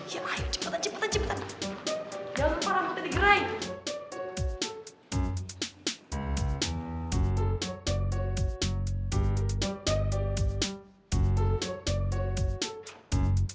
ya ayo cepetan cepetan cepetan